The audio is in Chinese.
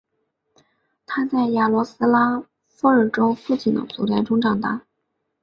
他在雅罗斯拉夫尔州父亲的祖宅中长大。